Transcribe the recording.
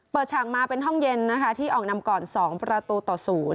เปิดฉากมาเป็นห้องเย็นที่ออกนำก่อนสองประตูต่อศูนย์